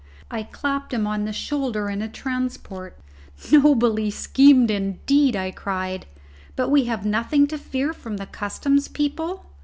I clapped him on the shoulder in a transport. "Nobly schemed indeed!" I cried; "but have we nothing to fear from the Customs people?"